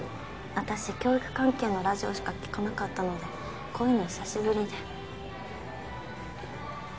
私教育関係のラジオしか聴かなかったのでこういうの久しぶりで。